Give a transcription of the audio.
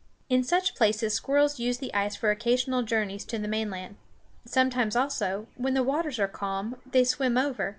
In such places squirrels use the ice for occasional journeys to the mainland. Sometimes also, when the waters are calm, they swim over.